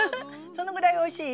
そのぐらいおいしい？